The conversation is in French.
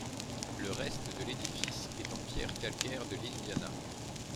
Le reste de l'édifice est en pierre calcaire de l'Indiana.